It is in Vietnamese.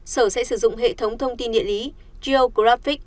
sở sẽ sử dụng hệ thống thông tin địa lý goffic